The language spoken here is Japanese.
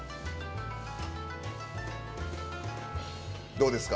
どうですか？